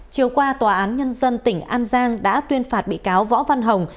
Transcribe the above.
chiều qua tòa án nhân dân tỉnh an giang đã tuyên phạt bị cáo võ văn hồng